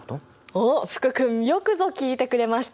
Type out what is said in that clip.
おっ福君よくぞ聞いてくれました！